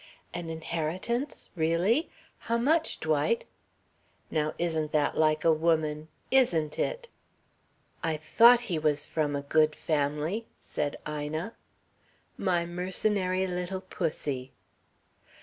"An inheritance really? How much, Dwight?" "Now isn't that like a woman. Isn't it?" "I thought he was from a good family," said Ina. "My mercenary little pussy!"